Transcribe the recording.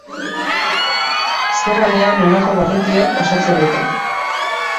Ezkerraldean honako barrutiek osatzen dute.